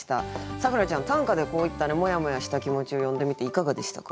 咲楽ちゃん短歌でこういったモヤモヤした気持ちを詠んでみていかがでしたか？